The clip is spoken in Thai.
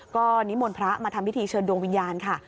ก็นิมนต์พระมาทำพิธีเชิญดวงวิญญาณค่ะ